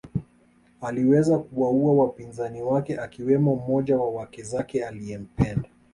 Aliweza kuwaua wapinzani wake akiwemo mmoja wa wake zake aliempenda